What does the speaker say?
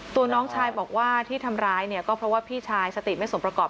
น้องชายบอกว่าที่ทำร้ายเนี่ยก็เพราะว่าพี่ชายสติไม่สมประกอบ